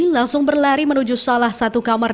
langsung berlari menuju salah satu kamar